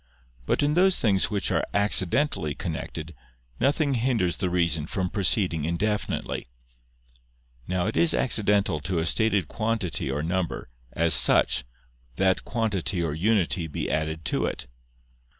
But in those things which are accidentally connected, nothing hinders the reason from proceeding indefinitely. Now it is accidental to a stated quantity or number, as such, that quantity or unity be added to it.